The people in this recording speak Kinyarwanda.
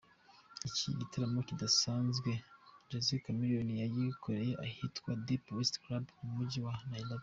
Iki gitaramo kidasanzwe Josee Chameleone yagikoreye ahitwa Deep West Club mu mujyi wa Nairobi.